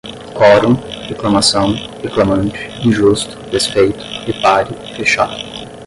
quorum, reclamação, reclamante, injusto, desfeito, repare, fechado